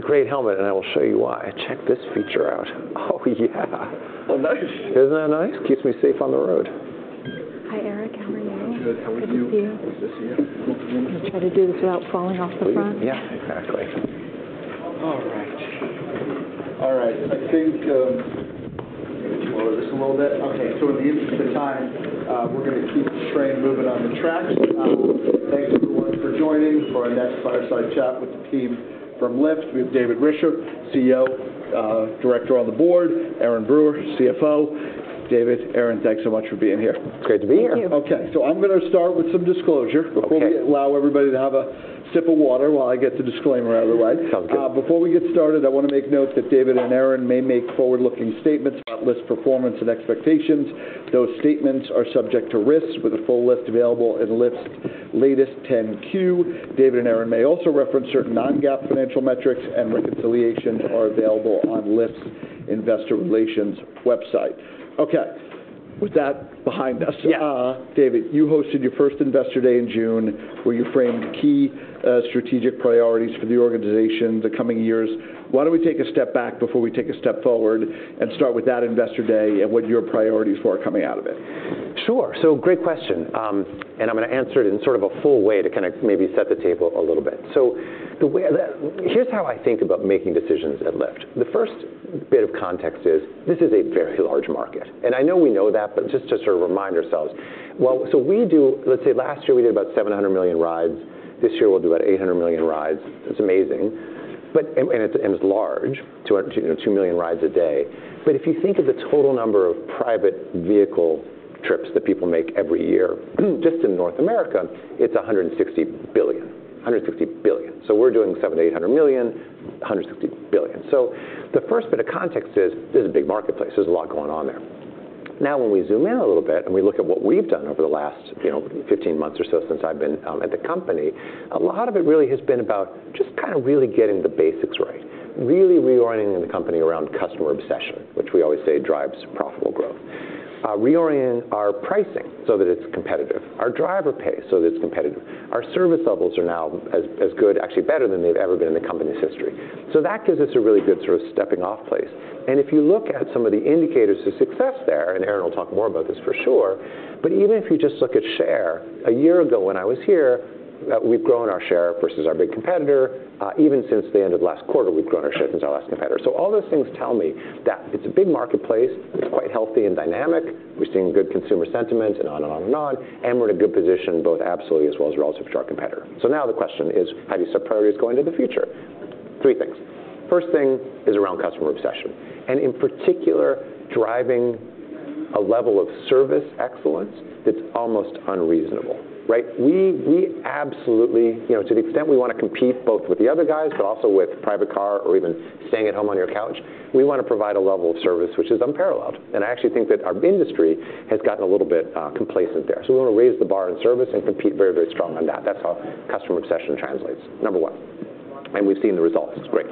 A great helmet, and I will show you why. Check this feature out. Oh, yeah. Oh, nice. Isn't that nice? Keeps me safe on the road. Hi, Eric. How are you? I'm good. How are you? Good to see you. Good to see you. I'm gonna try to do this without falling off the front. Please, yeah, exactly. All right. All right, I think, let me lower this a little bit. Okay, so in the interest of time, we're gonna keep the train moving on the tracks. Thank you, everyone, for joining for our next fireside chat with the team from Lyft. We have David Risher, CEO, director on the board, Erin Brewer, CFO. David, Erin, thanks so much for being here. Great to be here. Thank you. Okay, so I'm gonna start with some disclosure- Okay. Before we allow everybody to have a sip of water while I get the disclaimer out of the way. Sounds good. Before we get started, I wanna make note that David and Erin may make forward-looking statements about Lyft's performance and expectations. Those statements are subject to risks, with a full list available in Lyft's latest 10-Q. David and Erin may also reference certain non-GAAP financial metrics, and reconciliations are available on Lyft's investor relations website. Okay, with that behind us. Yeah. David, you hosted your first Investor Day in June, where you framed key strategic priorities for the organization the coming years. Why don't we take a step back before we take a step forward and start with that Investor Day, and what your priorities were coming out of it? Sure. So, great question, and I'm gonna answer it in sort of a full way to kind of maybe set the table a little bit. So, the way that. Here's how I think about making decisions at Lyft. The first bit of context is this is a very large market, and I know we know that, but just to sort of remind ourselves. So we do. Let's say last year we did about 700 million rides. This year we'll do about 800 million rides. It's amazing, but it's large, you know, two million rides a day. But if you think of the total number of private vehicle trips that people make every year, just in North America, it's 160 billion. 160 billion. We're doing 700-800 million, 160 billion. The first bit of context is, this is a big marketplace. There's a lot going on there. Now, when we zoom in a little bit, and we look at what we've done over the last, you know, fifteen months or so since I've been at the company, a lot of it really has been about just kind of really getting the basics right. Really reorienting the company around customer obsession, which we always say drives profitable growth. Reorient our pricing so that it's competitive, our driver pay, so that it's competitive. Our service levels are now as good, actually better than they've ever been in the company's history. So that gives us a really good sort of stepping-off place. And if you look at some of the indicators of success there, and Erin will talk more about this for sure, but even if you just look at share, a year ago when I was here, we've grown our share versus our big competitor. Even since the end of last quarter, we've grown our share versus our largest competitor. So all those things tell me that it's a big marketplace. It's quite healthy and dynamic. We're seeing good consumer sentiment and on and on and on, and we're in a good position, both absolutely as well as relative to our competitor. So now the question is: How do you set priorities going into the future? Three things. First thing is around customer obsession, and in particular, driving a level of service excellence that's almost unreasonable, right? We absolutely... You know, to the extent we wanna compete both with the other guys, but also with private car or even staying at home on your couch, we wanna provide a level of service which is unparalleled, and I actually think that our industry has gotten a little bit, complacent there. So we wanna raise the bar in service and compete very, very strong on that. That's how customer obsession translates, number one, and we've seen the results. It's great.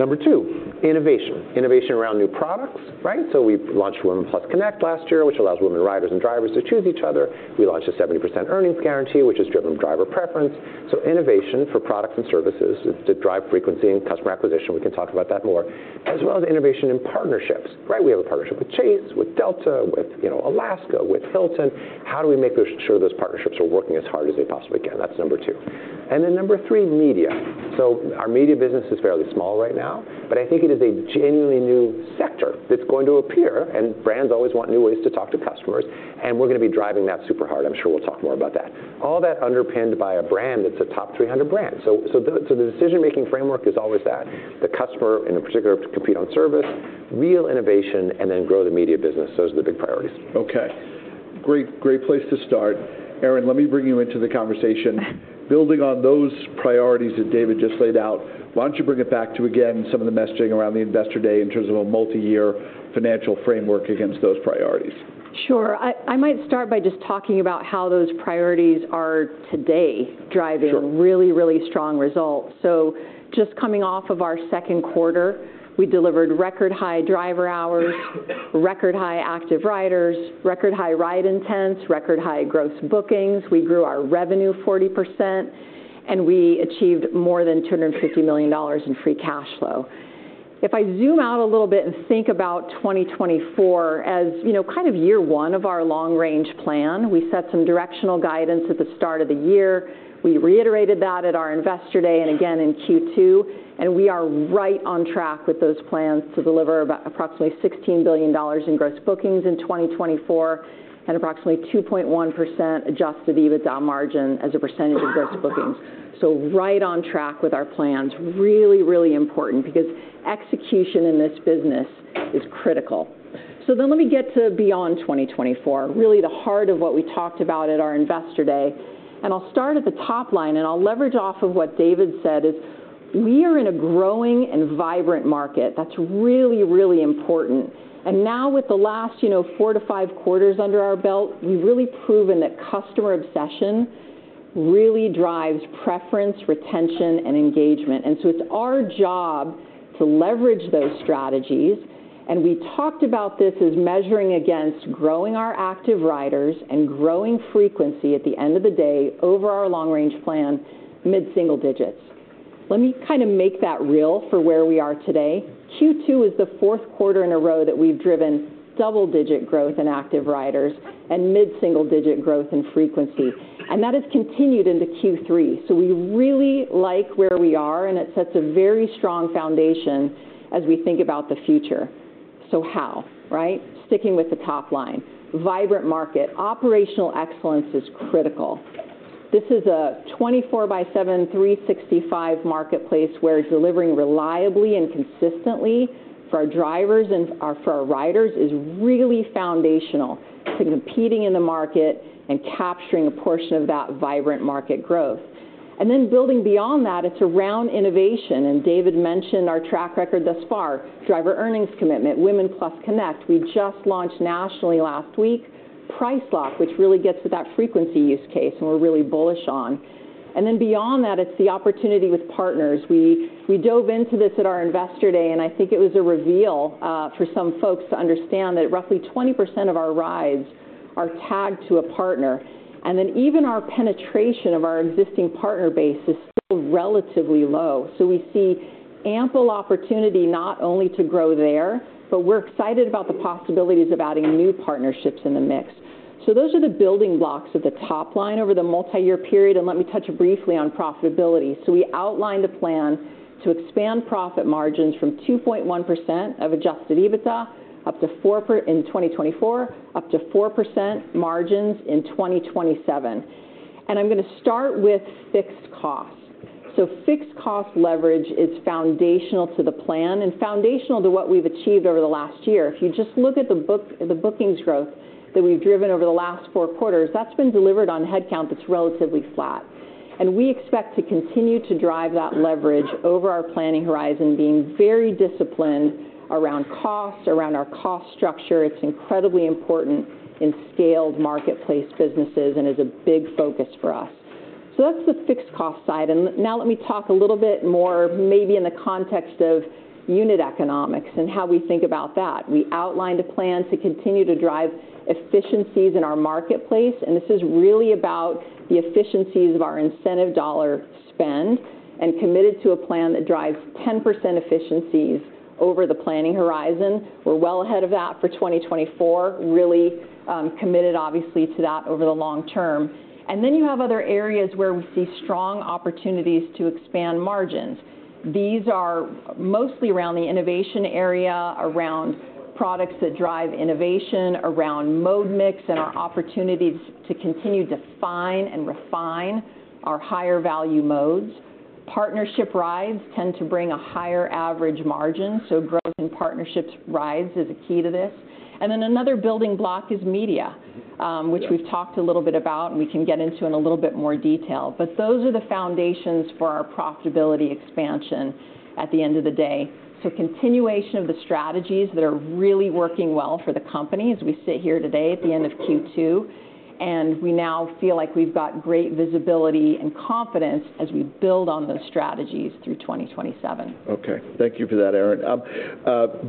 Number two, innovation. Innovation around new products, right? So we launched Women+ Connect last year, which allows women riders and drivers to choose each other. We launched a 70% earnings guarantee, which has driven driver preference. So innovation for products and services to drive frequency and customer acquisition, we can talk about that more, as well as innovation in partnerships, right? We have a partnership with Chase, with Delta, with, you know, Alaska, with Hilton. How do we make sure those partnerships are working as hard as they possibly can? That's number two, and then number three, media. So our media business is fairly small right now, but I think it is a genuinely new sector that's going to appear, and brands always want new ways to talk to customers, and we're gonna be driving that super hard. I'm sure we'll talk more about that. All that underpinned by a brand that's a top 300 brand, so the decision-making framework is always that, the customer, and in particular, compete on service, real innovation, and then grow the media business. Those are the big priorities. Okay. Great, great place to start. Erin, let me bring you into the conversation. Building on those priorities that David just laid out, why don't you bring it back to, again, some of the messaging around the Investor Day in terms of a multiyear financial framework against those priorities? Sure. I might start by just talking about how those priorities are today- Sure... driving really, really strong results. So just coming off of our Q2, we delivered record-high driver hours, record-high active riders, record-high ride intents, record-high gross bookings. We grew our revenue 40%, and we achieved more than $250 million in free cash flow. If I zoom out a little bit and think about 2024, as, you know, kind of year one of our long-range plan, we set some directional guidance at the start of the year. We reiterated that at our Investor Day and again in Q2, and we are right on track with those plans to deliver about approximately $16 billion in gross bookings in 2024 and approximately 2.1% Adjusted EBITDA margin as a percentage of gross bookings. So right on track with our plans. Really, really important, because execution in this business is critical. So then, let me get to beyond 2024, really the heart of what we talked about at our Investor Day, and I'll start at the top line, and I'll leverage off of what David said. We are in a growing and vibrant market. That's really, really important. And now with the last, you know, four to five quarters under our belt, we've really proven that customer obsession really drives preference, retention, and engagement. And so it's our job to leverage those strategies, and we talked about this as measuring against growing our active riders and growing frequency at the end of the day over our long-range plan, mid-single digits. Let me kind of make that real for where we are today. Q2 is the Q4 in a row that we've driven double-digit growth in active riders and mid-single-digit growth in frequency, and that has continued into Q3. So we really like where we are, and it sets a very strong foundation as we think about the future. So how, right? Sticking with the top line, vibrant market, operational excellence is critical. This is a 24/7, 365 marketplace, where delivering reliably and consistently for our drivers and for our, for our riders, is really foundational to competing in the market and capturing a portion of that vibrant market growth. And then building beyond that, it's around innovation, and David mentioned our track record thus far. Driver earnings commitment, Women+ Connect. We just launched nationally last week, Price Lock, which really gets to that frequency use case, and we're really bullish on. And then beyond that, it's the opportunity with partners. We dove into this at our investor day, and I think it was a reveal for some folks to understand that roughly 20% of our rides are tagged to a partner, and then even our penetration of our existing partner base is still relatively low. So we see ample opportunity not only to grow there, but we're excited about the possibilities of adding new partnerships in the mix. So those are the building blocks of the top line over the multi-year period, and let me touch briefly on profitability. So we outlined a plan to expand profit margins from 2.1% of adjusted EBITDA up to 4% in 2024, up to 4% margins in 2027. And I'm gonna start with fixed costs. So fixed cost leverage is foundational to the plan and foundational to what we've achieved over the last year. If you just look at the bookings growth that we've driven over the last four quarters, that's been delivered on headcount that's relatively flat. And we expect to continue to drive that leverage over our planning horizon, being very disciplined around costs, around our cost structure. It's incredibly important in scaled marketplace businesses and is a big focus for us. So that's the fixed cost side, and now let me talk a little bit more, maybe in the context of unit economics and how we think about that. We outlined a plan to continue to drive efficiencies in our marketplace, and this is really about the efficiencies of our incentive dollar spend, and committed to a plan that drives 10% efficiencies over the planning horizon. We're well ahead of that for 2024. Really, committed, obviously, to that over the long term. You have other areas where we see strong opportunities to expand margins. These are mostly around the innovation area, around products that drive innovation, around mode mix, and our opportunities to continue to define and refine our higher-value modes. Partnership rides tend to bring a higher average margin, so growth in partnerships rides is a key to this. Another building block is media, which we've talked a little bit about, and we can get into in a little bit more detail. Those are the foundations for our profitability expansion at the end of the day. Continuation of the strategies that are really working well for the company as we sit here today at the end of Q2, and we now feel like we've got great visibility and confidence as we build on those strategies through twenty twenty-seven. Okay, thank you for that, Erin.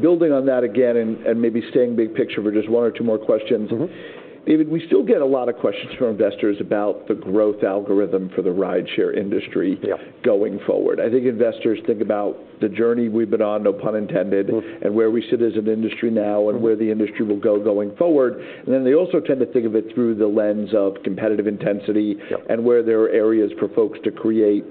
Building on that again and maybe staying big picture for just one or two more questions. Mm-hmm. David, we still get a lot of questions from investors about the growth algorithm for the rideshare industry. Yep. Going forward. I think investors think about the journey we've been on, no pun intended. Mm. -and where we sit as an industry now, and where the industry will go going forward. And then they also tend to think of it through the lens of competitive intensity- Yep. -and where there are areas for folks to create,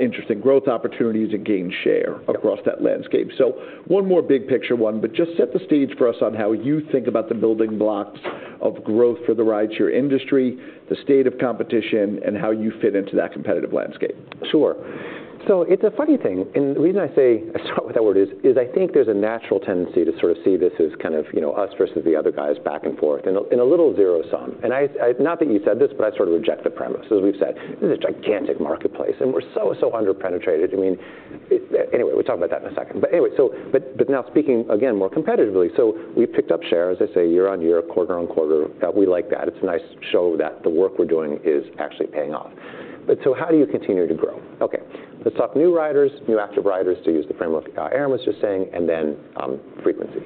interesting growth opportunities and gain share- Yep... across that landscape. So, one more big picture one, but just set the stage for us on how you think about the building blocks of growth for the rideshare industry, the state of competition, and how you fit into that competitive landscape? Sure. So it's a funny thing, and the reason I say I start with that word is I think there's a natural tendency to sort of see this as kind of, you know, us versus the other guys back and forth in a, in a little zero-sum. And I... Not that you said this, but I sort of reject the premise. As we've said, this is a gigantic marketplace, and we're so, so under-penetrated. I mean, anyway, we'll talk about that in a second. But anyway, so... But now speaking again, more competitively, so we've picked up share, as I say, year on year, quarter on quarter. We like that. It's a nice show that the work we're doing is actually paying off. But so how do you continue to grow? Okay, let's talk new riders, new active riders, to use the framework, Erin was just saying, and then frequency.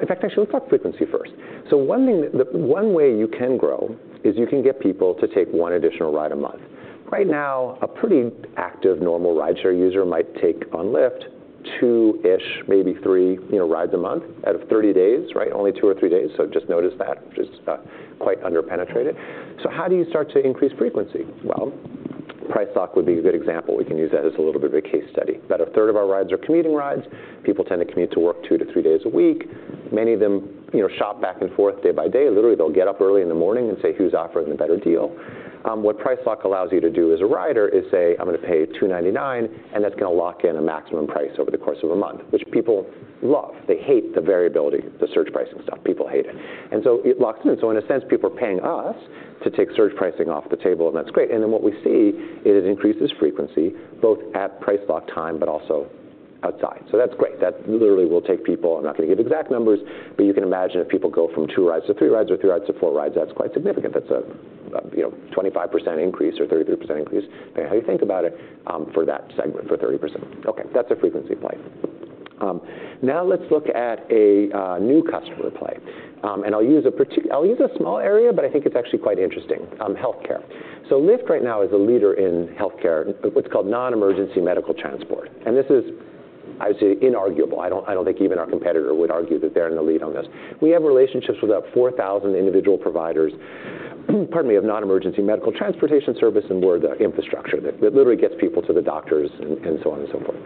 In fact, actually, let's talk frequency first. So one thing that, the one way you can grow is you can get people to take one additional ride a month. Right now, a pretty active, normal rideshare user might take on Lyft, two-ish, maybe three, you know, rides a month out of 30 days, right? Only two or three days, so just notice that, which is quite under-penetrated. So how do you start to increase frequency? Well, Price Lock would be a good example. We can use that as a little bit of a case study. About a third of our rides are commuting rides. People tend to commute to work two to three days a week. Many of them, you know, shop back and forth day by day. Literally, they'll get up early in the morning and say, "Who's offering the better deal?" What Price Lock allows you to do as a rider is say, "I'm gonna pay $2.99," and that's gonna lock in a maximum price over the course of a month, which people love. They hate the variability, the surge pricing stuff. People hate it, and so it locks it in. So in a sense, people are paying us to take surge pricing off the table, and that's great. And then what we see is it increases frequency, both at Price Lock time, but also outside. So that's great. That literally will take people... I'm not gonna give exact numbers, but you can imagine if people go from two rides to three rides or three rides to four rides, that's quite significant. That's a, you know, 25% increase or 33% increase, depending how you think about it, for that segment, for 30%. Okay, that's a frequency play. Now let's look at a new customer play. I'll use a small area, but I think it's actually quite interesting, healthcare. So Lyft right now is a leader in healthcare, what's called non-emergency medical transport, and this is, I would say, inarguable. I don't think even our competitor would argue that they're in the lead on this. We have relationships with about 4,000 individual providers, pardon me, of non-emergency medical transportation service, and we're the infrastructure that literally gets people to the doctors and so on and so forth.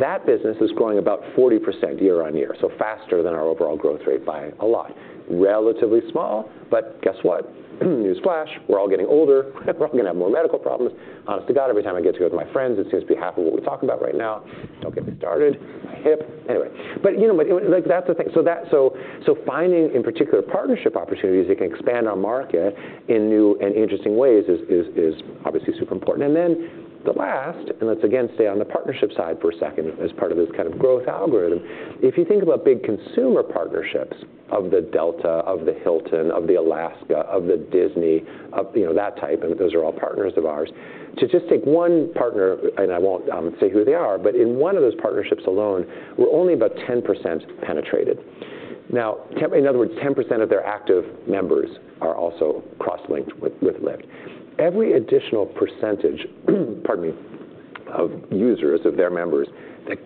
That business is growing about 40% year on year, so faster than our overall growth rate by a lot. Relatively small, but guess what? Newsflash, we're all getting older, we're all gonna have more medical problems. Honest to God, every time I get together with my friends, it seems to be half of what we talk about right now. Don't get me started, my hip. Anyway, but, you know, but it like, that's the thing. So finding, in particular, partnership opportunities that can expand our market in new and interesting ways is, is, is obviously super important. And then the last, and let's again stay on the partnership side for a second as part of this kind of growth algorithm. If you think about big consumer partnerships, of the Delta, of the Hilton, of the Alaska, of the Disney, of, you know, that type, and those are all partners of ours. To just take one partner, and I won't say who they are, but in one of those partnerships alone, we're only about 10% penetrated. Now, in other words, 10% of their active members are also cross-linked with Lyft. Every additional percentage, pardon me, of users, of their members,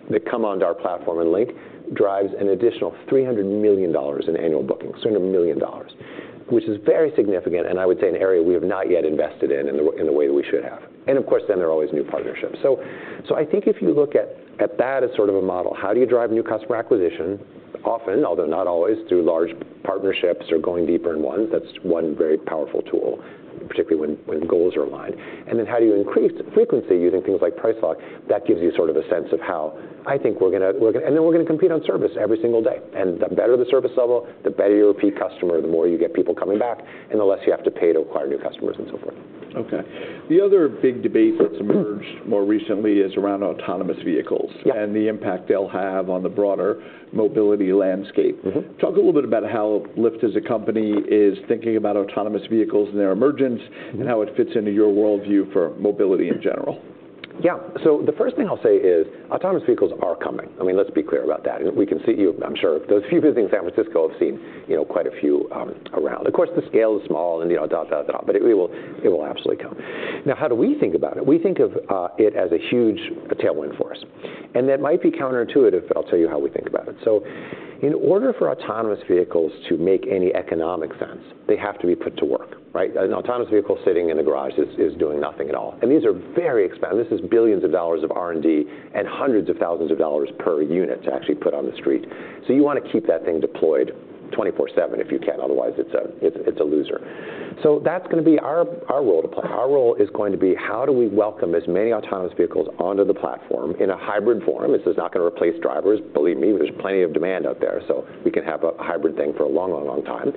that come onto our platform and link, drives an additional $300 million in annual bookings, $300 million, which is very significant, and I would say an area we have not yet invested in, in the way we should have, and of course, then there are always new partnerships. I think if you look at that as sort of a model, how do you drive new customer acquisition? Often, although not always, through large partnerships or going deeper in ones, that's one very powerful tool, particularly when goals are aligned. And then how do you increase frequency using things like Price Lock? That gives you sort of a sense of how I think we're gonna. And then we're gonna compete on service every single day. And the better the service level, the better your repeat customer, the more you get people coming back, and the less you have to pay to acquire new customers and so forth. Okay. The other big debate that's emerged more recently is around autonomous vehicles- Yeah and the impact they'll have on the broader mobility landscape. Mm-hmm. Talk a little bit about how Lyft as a company is thinking about autonomous vehicles and their emergence, and how it fits into your worldview for mobility in general? Yeah. So the first thing I'll say is autonomous vehicles are coming. I mean, let's be clear about that. We can see, I'm sure those of you visiting San Francisco have seen, you know, quite a few around. Of course, the scale is small and, you know, but it will absolutely come. Now, how do we think about it? We think of it as a huge tailwind for us. And that might be counterintuitive. I'll tell you how we think about it. So in order for autonomous vehicles to make any economic sense, they have to be put to work, right? An autonomous vehicle sitting in a garage is doing nothing at all. And these are very expensive. This is billions of dollars of R&D and hundreds of thousands of dollars per unit to actually put on the street. So you want to keep that thing deployed twenty-four seven if you can, otherwise, it's a loser. So that's gonna be our role to play. Our role is going to be, how do we welcome as many autonomous vehicles onto the platform in a hybrid form? This is not gonna replace drivers. Believe me, there's plenty of demand out there, so we can have a hybrid thing for a long, long, long time.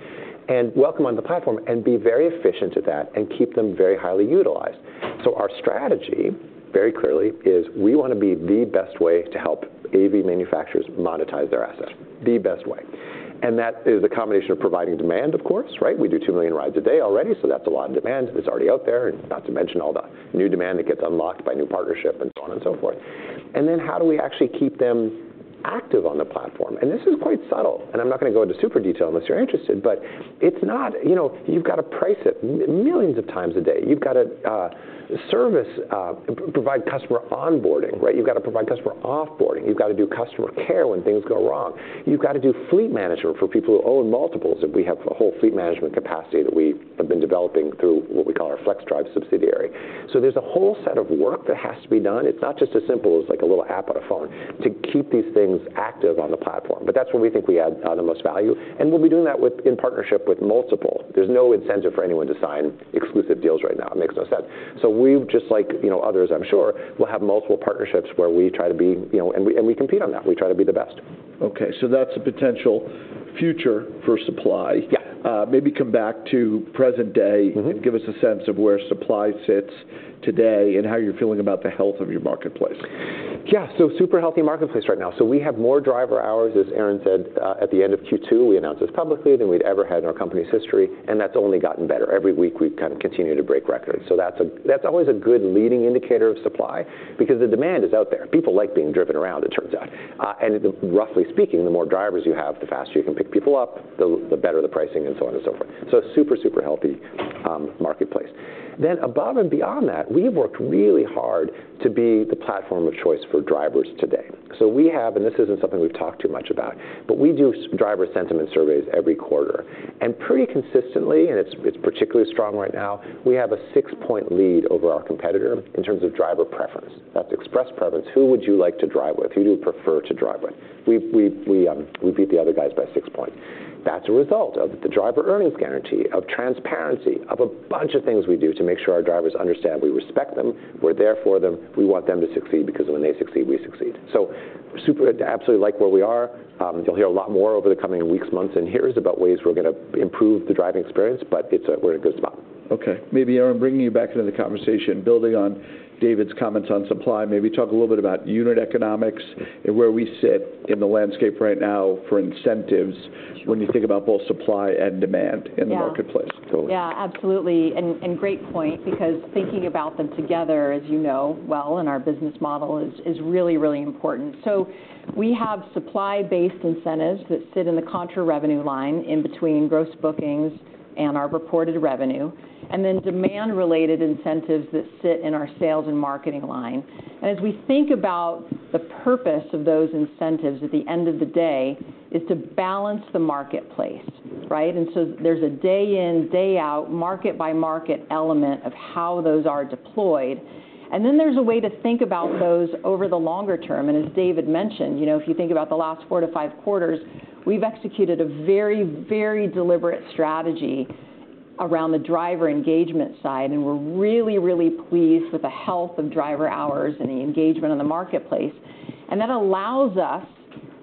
And welcome on the platform and be very efficient at that and keep them very highly utilized. So our strategy, very clearly, is we want to be the best way to help AV manufacturers monetize their assets, the best way. And that is a combination of providing demand, of course, right? We do two million rides a day already, so that's a lot of demand that's already out there, and not to mention all the new demand that gets unlocked by new partnership and so on and so forth. Then how do we actually keep them active on the platform? This is quite subtle, and I'm not going to go into super detail unless you're interested, but it's not... You know, you've got to price it millions of times a day. You've got to service, provide customer onboarding, right? You've got to provide customer offboarding. You've got to do customer care when things go wrong. You've got to do fleet management for people who own multiples, and we have a whole fleet management capacity that we have been developing through what we call our Flexdrive subsidiary. So there's a whole set of work that has to be done. It's not just as simple as like a little app on a phone to keep these things active on the platform. But that's where we think we add the most value, and we'll be doing that in partnership with multiple. There's no incentive for anyone to sign exclusive deals right now. It makes no sense. So we, just like, you know, others, I'm sure, will have multiple partnerships where we try to be, you know, and we compete on that. We try to be the best. Okay, so that's a potential future for supply. Yeah. Maybe come back to present day- Mm-hmm... and give us a sense of where supply sits today and how you're feeling about the health of your marketplace? Yeah, so super healthy marketplace right now. So we have more driver hours, as Erin said, at the end of Q2, we announced this publicly, than we'd ever had in our company's history, and that's only gotten better. Every week, we've kind of continued to break records. So that's always a good leading indicator of supply, because the demand is out there. People like being driven around, it turns out. And roughly speaking, the more drivers you have, the faster you can pick people up, the better the pricing, and so on and so forth. So super, super healthy marketplace. Then above and beyond that, we've worked really hard to be the platform of choice for drivers today. So we have, and this isn't something we've talked too much about, but we do driver sentiment surveys every quarter. And pretty consistently, and it's particularly strong right now, we have a six-point lead over our competitor in terms of driver preference. That's express preference. Who would you like to drive with? Who do you prefer to drive with? We beat the other guys by six points. That's a result of the driver earnings guarantee, of transparency, of a bunch of things we do to make sure our drivers understand we respect them, we're there for them, we want them to succeed, because when they succeed, we succeed. So absolutely like where we are. You'll hear a lot more over the coming weeks, months, and years about ways we're gonna improve the driving experience, but we're in a good spot. Okay. Maybe, Erin, bringing you back into the conversation, building on David's comments on supply, maybe talk a little bit about unit economics and where we sit in the landscape right now for incentives. Sure. When you think about both supply and demand. Yeah in the marketplace. Totally. Yeah, absolutely, and great point, because thinking about them together, as you know well, in our business model is really important. So we have supply-based incentives that sit in the contra-revenue line, in between gross bookings and our reported revenue, and then demand-related incentives that sit in our sales and marketing line. And as we think about the purpose of those incentives, at the end of the day, is to balance the marketplace, right? And so there's a day in, day out, market by market element of how those are deployed, and then there's a way to think about those over the longer term. And as David mentioned, you know, if you think about the last four to five quarters, we've executed a very deliberate strategy... Around the driver engagement side, and we're really, really pleased with the health of driver hours and the engagement in the marketplace. And that allows us,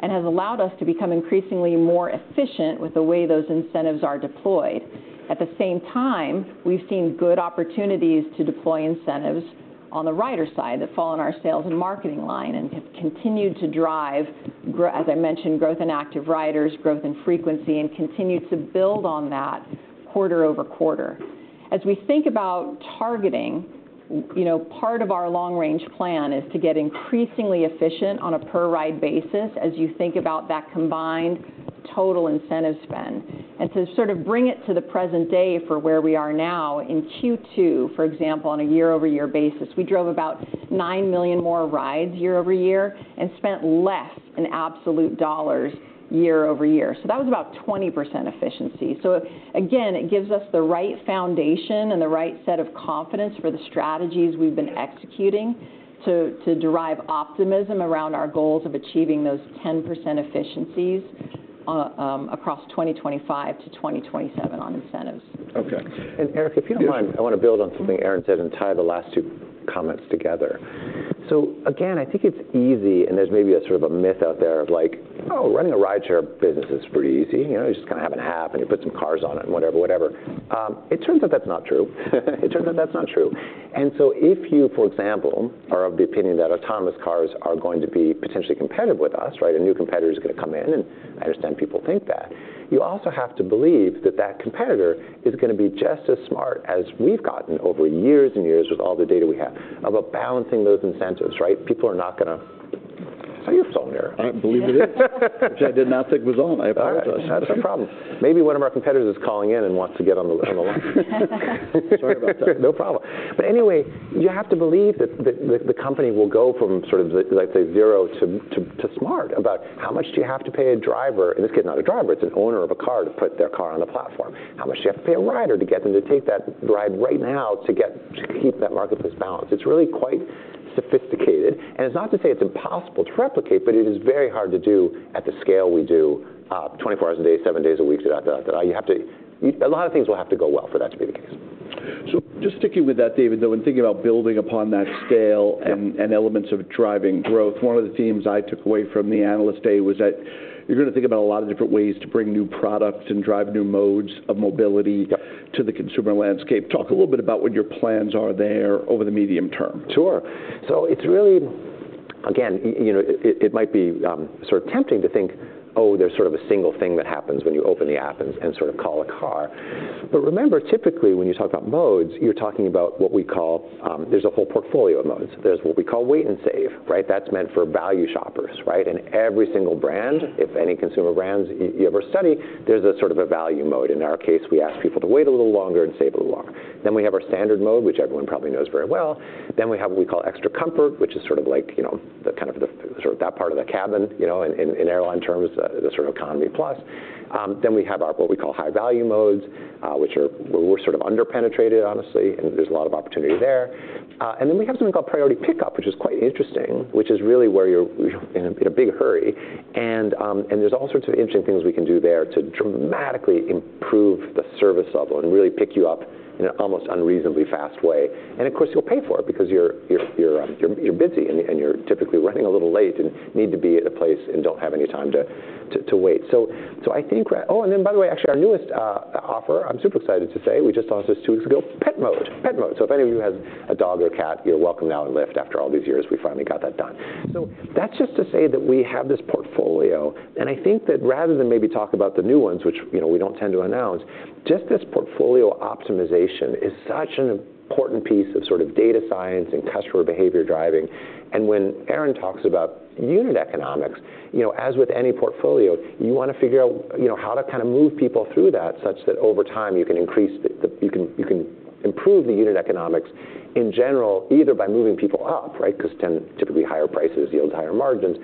and has allowed us to become increasingly more efficient with the way those incentives are deployed. At the same time, we've seen good opportunities to deploy incentives on the rider side that fall in our sales and marketing line, and have continued to drive, as I mentioned, growth in active riders, growth in frequency, and continued to build on that quarter over quarter. As we think about targeting, you know, part of our long-range plan is to get increasingly efficient on a per-ride basis as you think about that combined total incentive spend. To sort of bring it to the present day for where we are now, in Q2, for example, on a year-over-year basis, we drove about nine million more rides year over year, and spent less in absolute dollars year over year. That was about 20% efficiency. Again, it gives us the right foundation and the right set of confidence for the strategies we've been executing to derive optimism around our goals of achieving those 10% efficiencies across 2025 to 2027 on incentives. Okay. And Erin, if you don't mind, I want to build on something Erin said and tie the last two comments together. So again, I think it's easy, and there's maybe a sort of a myth out there of like, "Oh, running a rideshare business is pretty easy. You know, you just kind of have an app, and you put some cars on it, and whatever, whatever." It turns out that's not true. It turns out that's not true. And so if you, for example, are of the opinion that autonomous cars are going to be potentially competitive with us, right? A new competitor is gonna come in, and I understand people think that. You also have to believe that that competitor is gonna be just as smart as we've gotten over years and years with all the data we have about balancing those incentives, right? People are not gonna... Oh, your phone here. I believe it is, which I did not think was on. I apologize. All right. Not a problem. Maybe one of our competitors is calling in and wants to get on the, on the line. Sorry about that. No problem, but anyway, you have to believe that the company will go from sort of, like, say, zero to smart about how much do you have to pay a driver, in this case, not a driver, it's an owner of a car, to put their car on the platform? How much do you have to pay a rider to get them to take that ride right now to keep that marketplace balanced? It's really quite sophisticated, and it's not to say it's impossible to replicate, but it is very hard to do at the scale we do, twenty-four hours a day, seven days a week. A lot of things will have to go well for that to be the case. So just sticking with that, David, though, and thinking about building upon that scale- Yep... and elements of driving growth, one of the themes I took away from the Analyst Day was that you're gonna think about a lot of different ways to bring new products and drive new modes of mobility- Yep... to the consumer landscape. Talk a little bit about what your plans are there over the medium term? Sure. So it's really... Again, you know, it might be sort of tempting to think, oh, there's sort of a single thing that happens when you open the app and sort of call a car. But remember, typically, when you talk about modes, you're talking about what we call, there's a whole portfolio of modes. There's what we call Wait & Save, right? That's meant for value shoppers, right? And every single brand, if any consumer brands you ever study, there's a sort of a value mode. In our case, we ask people to wait a little longer and save a little more. Then we have our standard mode, which everyone probably knows very well. Then we have what we call Extra Comfort, which is sort of like, you know, the kind of the sort of that part of the cabin, you know, in airline terms, the sort of economy plus. Then we have our what we call high-value modes, which are... we're sort of under-penetrated, honestly, and there's a lot of opportunity there. And then we have something called Priority Pickup, which is quite interesting, which is really where you're in a big hurry, and there's all sorts of interesting things we can do there to dramatically improve the service level and really pick you up in an almost unreasonably fast way. And of course, you'll pay for it because you're busy, and you're typically running a little late and need to be at a place and don't have any time to wait. So I think that. Oh, and then, by the way, actually, our newest offer, I'm super excited to say, we just launched this two weeks ago: Pet Mode. Pet Mode. So if any of you has a dog or cat, you're welcome now on Lyft. After all these years, we finally got that done. So that's just to say that we have this portfolio, and I think that rather than maybe talk about the new ones, which, you know, we don't tend to announce, just this portfolio optimization is such an important piece of sort of data science and customer behavior driving. And when Erin talks about unit economics, you know, as with any portfolio, you wanna figure out, you know, how to kind of move people through that, such that over time, you can improve the unit economics in general, either by moving people up, right? Because typically, higher prices yield higher margins,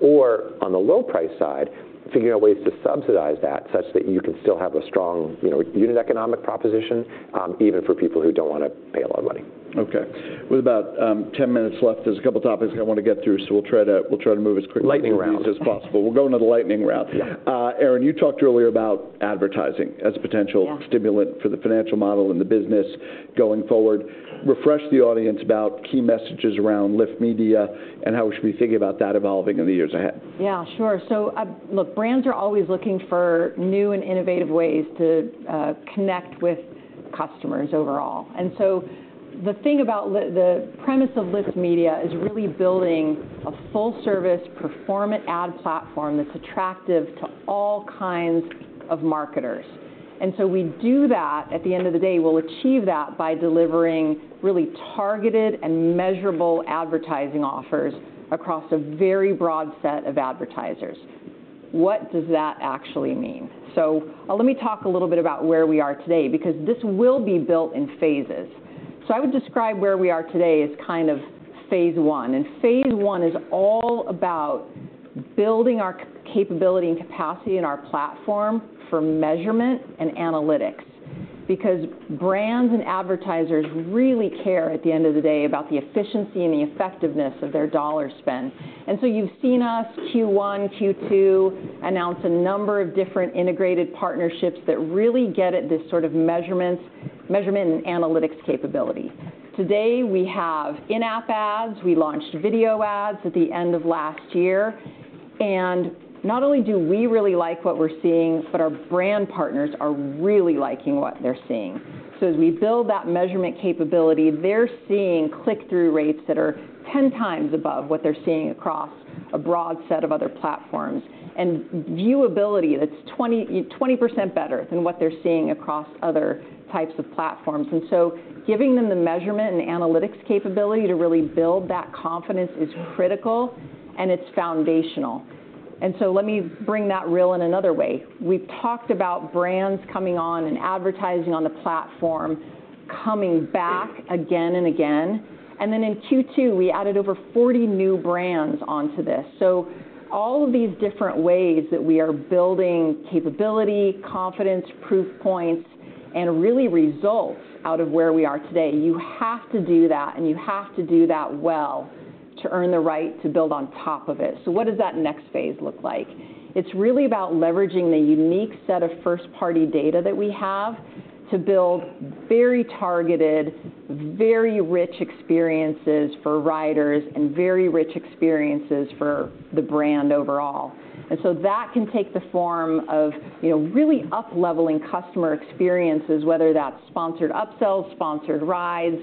or on the low-price side, figuring out ways to subsidize that, such that you can still have a strong, you know, unit economic proposition, even for people who don't wanna pay a lot of money. Okay. With about 10 minutes left, there's a couple topics I wanna get through, so we'll try to move as quickly- Lightning round... as possible. We're going to the lightning round. Yeah. Erin, you talked earlier about advertising as a potential- Yeah... stimulant for the financial model and the business going forward. Refresh the audience about key messages around Lyft Media and how we should be thinking about that evolving in the years ahead. Yeah, sure. So, look, brands are always looking for new and innovative ways to connect with customers overall. And so the thing about the premise of Lyft Media is really building a full-service, performant ad platform that's attractive to all kinds of marketers. And so we do that, at the end of the day, we'll achieve that by delivering really targeted and measurable advertising offers across a very broad set of advertisers. What does that actually mean? So, let me talk a little bit about where we are today, because this will be built in phases. So I would describe where we are today as kind of phase one, and phase one is all about building our capability and capacity in our platform for measurement and analytics. Because brands and advertisers really care, at the end of the day, about the efficiency and the effectiveness of their dollar spend, and so you've seen us, Q1, Q2, announce a number of different integrated partnerships that really get at this sort of measurements, measurement and analytics capability. Today, we have in-app ads. We launched video ads at the end of last year, and not only do we really like what we're seeing, but our brand partners are really liking what they're seeing, so as we build that measurement capability, they're seeing click-through rates that are 10 times above what they're seeing across a broad set of other platforms, and viewability that's 20% better than what they're seeing across other types of platforms, and so giving them the measurement and analytics capability to really build that confidence is critical, and it's foundational. And so let me bring that real in another way. We've talked about brands coming on and advertising on the platform, coming back again and again. And then in Q2, we added over forty new brands onto this. So all of these different ways that we are building capability, confidence, proof points, and really results out of where we are today, you have to do that, and you have to do that well to earn the right to build on top of it. So what does that next phase look like? It's really about leveraging the unique set of first-party data that we have to build very targeted, very rich experiences for riders and very rich experiences for the brand overall. And so that can take the form of, you know, really up-leveling customer experiences, whether that's sponsored upsells, sponsored rides,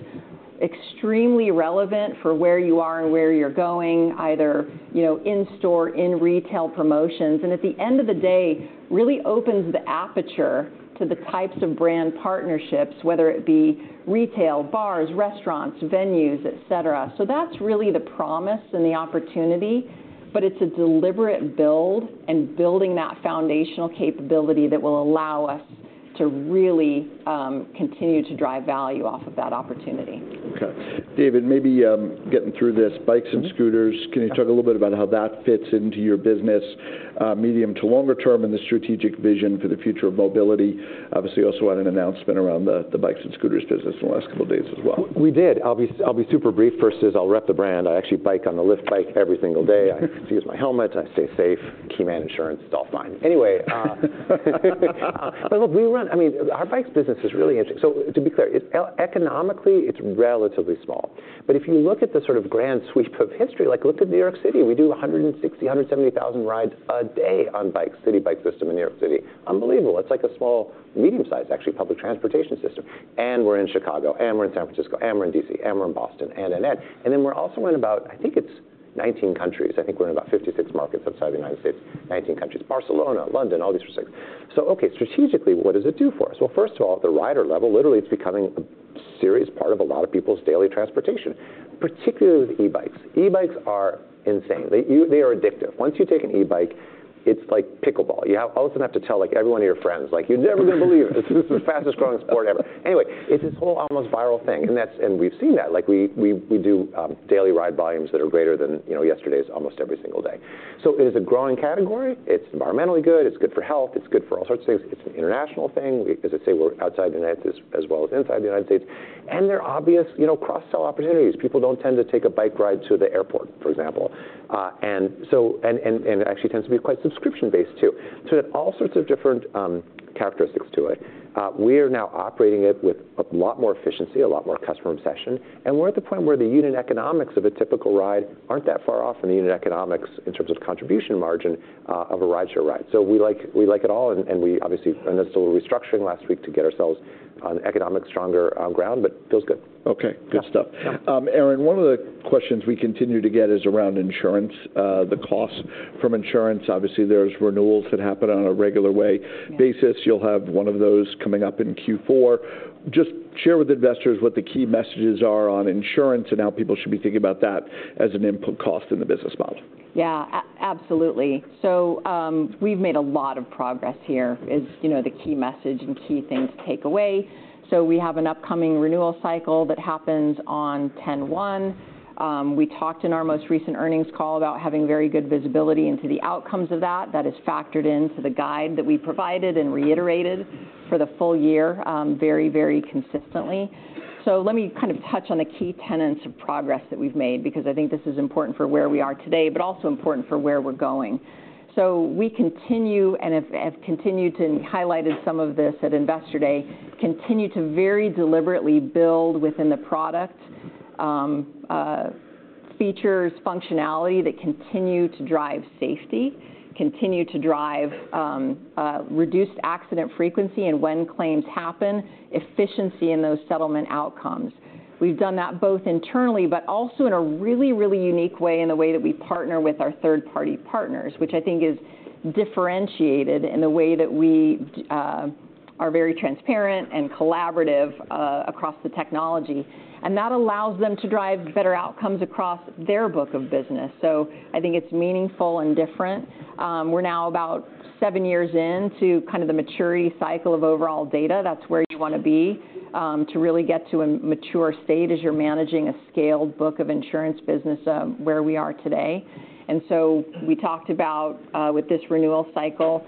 extremely relevant for where you are and where you're going, either, you know, in-store, in-retail promotions, and at the end of the day, really opens the aperture to the types of brand partnerships, whether it be retail, bars, restaurants, venues, et cetera. So that's really the promise and the opportunity, but it's a deliberate build and building that foundational capability that will allow us to really continue to drive value off of that opportunity. Okay. David, maybe, getting through this, bikes and scooters. Mm-hmm. Can you talk a little bit about how that fits into your business, medium to longer term, and the strategic vision for the future of mobility? Obviously, also had an announcement around the bikes and scooters business in the last couple of days as well. We did. I'll be super brief. First is I'll rep the brand. I actually bike on the Lyft Bike every single day. I use my helmet. I stay safe. Key man insurance, it's all fine. Anyway, but look, we run. I mean, our bikes business is really interesting. So to be clear, it, economically, it's relatively small. But if you look at the sort of grand sweep of history, like, look at New York City, we do 160-170 thousand rides a day on bikes, City Bike system in New York City. Unbelievable. It's like a small, medium-sized, actually, public transportation system. And we're in Chicago, and we're in San Francisco, and we're in D.C., and we're in Boston, and, and, and. And then we're also in about, I think it's 19 countries. I think we're in about 56 markets outside the United States, 19 countries. Barcelona, London, all these sorts of things. Okay, strategically, what does it do for us? Well, first of all, at the rider level, literally, it's becoming a serious part of a lot of people's daily transportation, particularly with e-bikes. E-bikes are insane. They are addictive. Once you take an e-bike, it's like pickleball. You have all of a sudden have to tell, like, every one of your friends, like, "You're never going to believe this. This is the fastest growing sport ever." Anyway, it's this whole almost viral thing, and that's and we've seen that. Like, we do daily ride volumes that are greater than, you know, yesterday's, almost every single day. So it is a growing category. It's environmentally good. It's good for health. It's good for all sorts of things. It's an international thing. We as I say, we're outside the United States as well as inside the United States, and there are obvious, you know, cross-sell opportunities. People don't tend to take a bike ride to the airport, for example. And so it actually tends to be quite subscription-based, too. So it all sorts of different characteristics to it. We are now operating it with a lot more efficiency, a lot more customer obsession, and we're at the point where the unit economics of a typical ride aren't that far off from the unit economics in terms of contribution margin of a rideshare ride. So we like, we like it all, and we obviously and then so we're restructuring last week to get ourselves on economically stronger ground, but feels good. Okay, good stuff. Yeah. Yeah. Erin, one of the questions we continue to get is around insurance, the costs from insurance. Obviously, there's renewals that happen on a regular way. Yeah... basis. You'll have one of those coming up in Q4. Just share with investors what the key messages are on insurance and how people should be thinking about that as an input cost in the business model. Yeah, absolutely. So, we've made a lot of progress here, is, you know, the key message and key thing to take away. So we have an upcoming renewal cycle that happens on 10/1. We talked in our most recent earnings call about having very good visibility into the outcomes of that. That is factored into the guide that we provided and reiterated for the full year, very, very consistently. So let me kind of touch on the key tenets of progress that we've made, because I think this is important for where we are today, but also important for where we're going. So we continue and have continued to, and highlighted some of this at Investor Day, continue to very deliberately build within the product features, functionality that continue to drive safety, continue to drive reduced accident frequency, and when claims happen, efficiency in those settlement outcomes. We've done that both internally, but also in a really, really unique way, in the way that we partner with our third-party partners, which I think is differentiated in the way that we are very transparent and collaborative across the technology. And that allows them to drive better outcomes across their book of business. So I think it's meaningful and different. We're now about seven years in to kind of the maturity cycle of overall data. That's where you want to be, to really get to a mature state as you're managing a scaled book of insurance business, where we are today. And so we talked about, with this renewal cycle,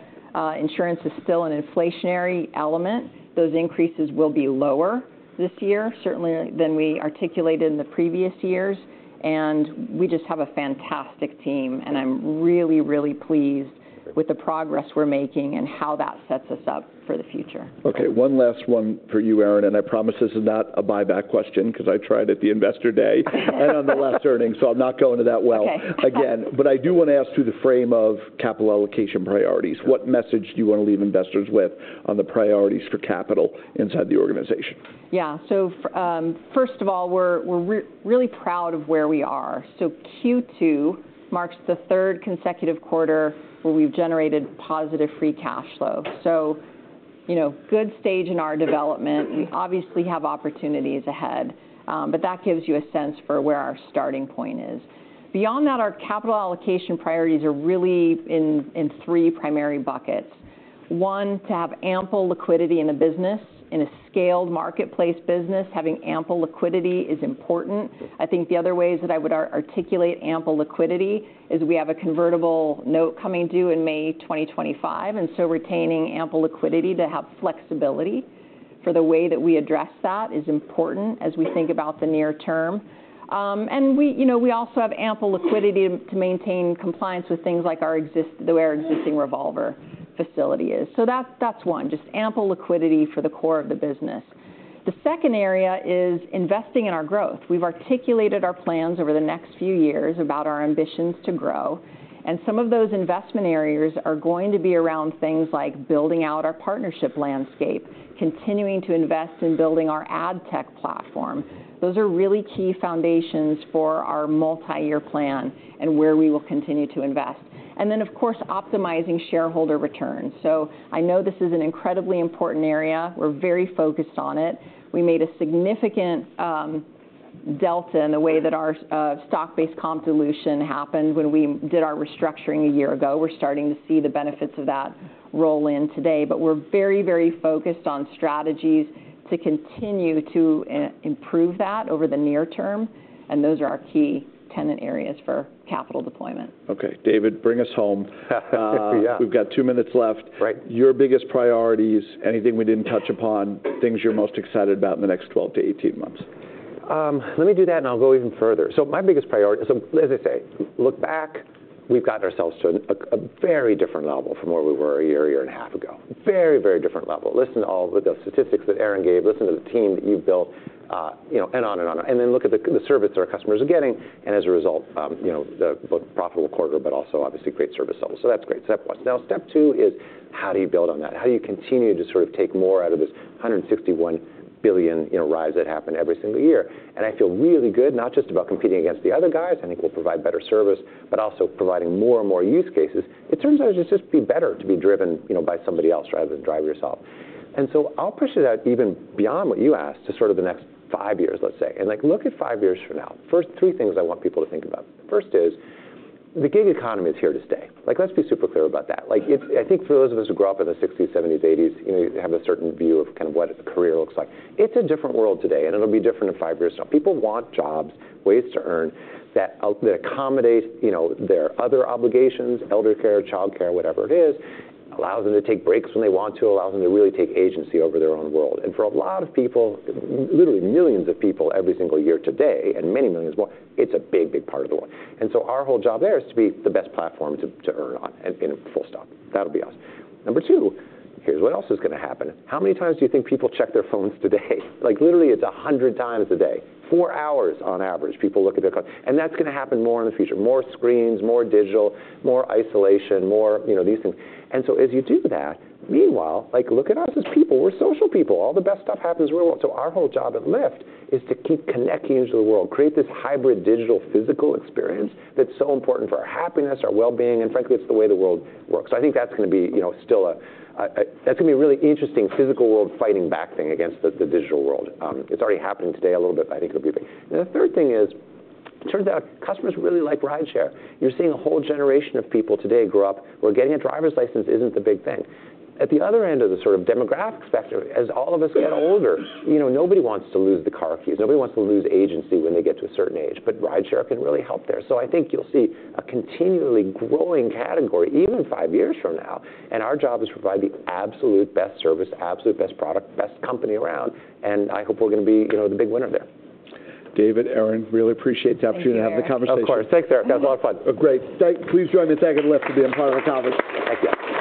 insurance is still an inflationary element. Those increases will be lower this year, certainly than we articulated in the previous years, and we just have a fantastic team, and I'm really, really pleased with the progress we're making and how that sets us up for the future. Okay, one last one for you, Erin, and I promise this is not a buyback question, because I tried it at the Investor Day and on the last earnings, so I'm not going to that well- Okay. Again, but I do want to ask through the frame of capital allocation priorities, what message do you want to leave investors with on the priorities for capital inside the organization? Yeah. So first of all, we're really proud of where we are. So Q2 marks the third consecutive quarter where we've generated positive free cash flow. You know, good stage in our development. We obviously have opportunities ahead, but that gives you a sense for where our starting point is. Beyond that, our capital allocation priorities are really in three primary buckets. One, to have ample liquidity in a business. In a scaled marketplace business, having ample liquidity is important. I think the other ways that I would articulate ample liquidity is we have a convertible note coming due in May 2025, and so retaining ample liquidity to have flexibility for the way that we address that is important as we think about the near term. And we, you know, we also have ample liquidity to maintain compliance with things like the way our existing revolver facility is. So that's one, just ample liquidity for the core of the business. The second area is investing in our growth. We've articulated our plans over the next few years about our ambitions to grow, and some of those investment areas are going to be around things like building out our partnership landscape, continuing to invest in building our ad tech platform. Those are really key foundations for our multi-year plan and where we will continue to invest. And then, of course, optimizing shareholder returns. So I know this is an incredibly important area. We're very focused on it. We made a significant delta in the way that our stock-based comp solution happened when we did our restructuring a year ago. We're starting to see the benefits of that roll in today, but we're very, very focused on strategies to continue to improve that over the near term, and those are our key tenet areas for capital deployment. Okay. David, bring us home. Yeah. We've got two minutes left. Right. Your biggest priorities, anything we didn't touch upon, things you're most excited about in the next twelve to eighteen months? Let me do that, and I'll go even further. So my biggest priority... So as I say, look back, we've gotten ourselves to a very different level from where we were a year and a half ago. Very, very different level. Listen to all the statistics that Erin gave. Listen to the team that you've built, you know, and on and on, and then look at the service our customers are getting, and as a result, you know, the both profitable quarter, but also obviously great service level. So that's great. Step one. Now, step two is: How do you build on that? How do you continue to sort of take more out of this 161 billion, you know, rides that happen every single year? I feel really good, not just about competing against the other guys. I think we'll provide better service, but also providing more and more use cases. It turns out it's just better to be driven, you know, by somebody else rather than drive yourself. I'll push it out even beyond what you asked to sort of the next five years, let's say. Like, look at five years from now. First, three things I want people to think about. First is, the gig economy is here to stay. Like, let's be super clear about that. Like, I think for those of us who grew up in the '60s, '70s, '80s, you know, you have a certain view of kind of what a career looks like. It's a different world today, and it'll be different in five years. So people want jobs, ways to earn, that accommodate, you know, their other obligations, eldercare, childcare, whatever it is, allows them to take breaks when they want to, allows them to really take agency over their own world. And for a lot of people, literally millions of people every single year today, and many millions more, it's a big, big part of the world. And so our whole job there is to be the best platform to earn on, and, you know, full stop. That'll be us. Number two, here's what else is gonna happen. How many times do you think people check their phones today? Like, literally, it's a hundred times a day. Four hours on average, people look at their phone, and that's gonna happen more in the future. More screens, more digital, more isolation, more, you know, these things. And so as you do that, meanwhile, like, look at us as people. We're social people. All the best stuff happens. So our whole job at Lyft is to keep connecting to the world, create this hybrid, digital, physical experience that's so important for our happiness, our well-being, and frankly, it's the way the world works. So I think that's gonna be, you know, still a really interesting physical world fighting back thing against the digital world. It's already happening today, a little bit, but I think it'll be big. And the third thing is, it turns out customers really like rideshare. You're seeing a whole generation of people today grow up, where getting a driver's license isn't the big thing. At the other end of the sort of demographic spectrum, as all of us get older, you know, nobody wants to lose the car keys. Nobody wants to lose agency when they get to a certain age, but rideshare can really help there. So I think you'll see a continually growing category, even five years from now, and our job is to provide the absolute best service, absolute best product, best company around, and I hope we're gonna be, you know, the big winner there. David, Erin, really appreciate the opportunity- Thank you, Erin.... to have the conversation. Of course. Thanks, Erin. That was a lot of fun. Great. Please join me thanking Lyft for being part of the conference. Thank you.